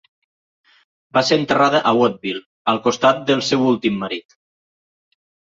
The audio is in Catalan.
Va ser enterrada a Wattville, al costat del seu últim marit.